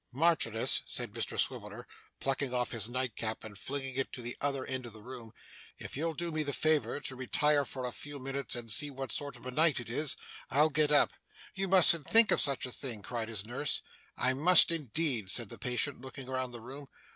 'Marchioness,' said Mr Swiveller, plucking off his nightcap and flinging it to the other end of the room; 'if you'll do me the favour to retire for a few minutes and see what sort of a night it is, I'll get up.' 'You mustn't think of such a thing,' cried his nurse. 'I must indeed,' said the patient, looking round the room.